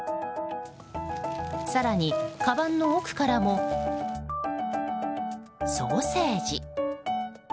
更に、かばんの奥からもソーセージ。